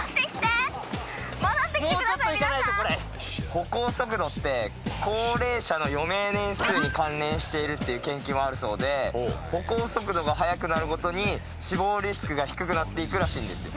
歩行速度って高齢者の余命年数に関連しているっていう研究もあるそうで歩行速度が速くなるごとに死亡リスクが低くなって行くらしいんですよ。